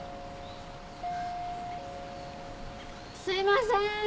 すいません！